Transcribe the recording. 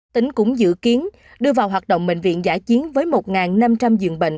tỉnh cũng dự kiến đưa vào hoạt động bệnh viện giải chiến với một năm trăm linh dường bệnh